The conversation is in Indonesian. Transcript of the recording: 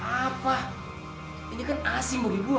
apa ini kan asing bagi gua